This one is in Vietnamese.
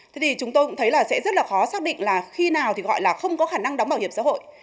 thế thì chúng tôi cũng thấy là sẽ rất là khó xác định là khi nào thì gọi là không có khả năng đóng bảo hiểm xã hội